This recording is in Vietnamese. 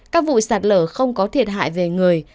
các vụ sạt lở không có thiệt hại về người